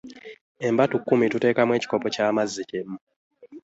Embatu kkumi tuteekamu ekikopo ky’amazzi kimu.